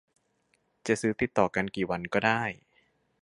จะซื้อติดต่อกันกี่วันก็ได้